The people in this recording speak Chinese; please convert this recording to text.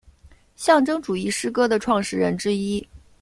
象征主义诗歌的创始人之一。